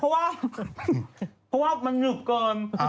เพราะว่ามันหนึบเกิน